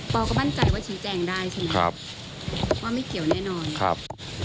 อก็มั่นใจว่าชี้แจงได้ใช่ไหมครับว่าไม่เกี่ยวแน่นอนครับ